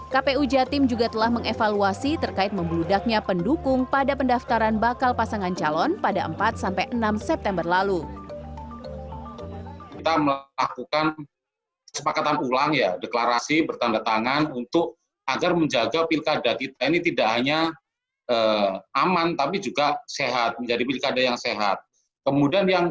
kpu jatim juga telah mengevaluasi terkait membludaknya pendukung pada pendaftaran bakal pasangan calon pada empat enam september lalu